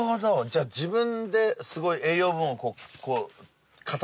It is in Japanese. じゃあ自分ですごい栄養分をこう固めるというか。